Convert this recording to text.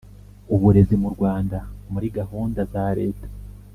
Uburezi mu Rwanda muri gahunda zareta